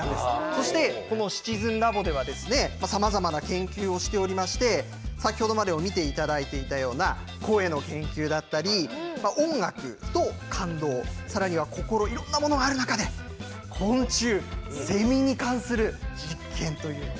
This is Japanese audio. そして、「シチズンラボ」ではさまざまな研究をしていまして先程まで見ていただいた声の研究だったり、音楽と感動さらには心といろいろなものがある中で昆虫、セミに関する実験という。